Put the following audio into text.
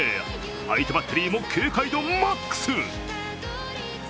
相手バッテリーも警戒度マックス！